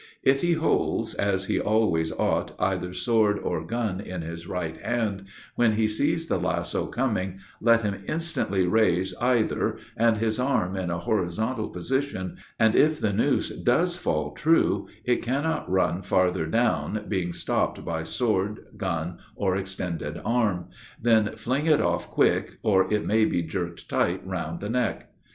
If he holds, as he always ought, either sword or gun in his right hand, when he sees the lasso coming, let him instantly raise either and his arm in a horizontal position, and if the noose does fall true, it cannot run farther down, being stopped by sword, gun, or extended arm; then fling it off quick, or it may be jerked tight round the neck.